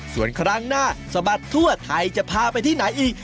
ส่วนครั้งหน้าสะบัดทั่วไทยจะพาไปที่ไหนอีก